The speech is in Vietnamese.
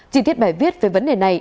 chi tiết bài viết về vấn đề này